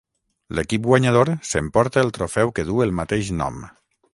L'equip guanyador s'emporta el trofeu que duu el mateix nom.